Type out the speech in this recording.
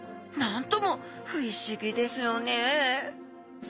なんとも不思議ですよね。